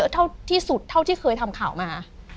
เท่าที่สุดเท่าที่เคยทำข่าวมา